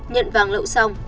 nhận vàng lậu xong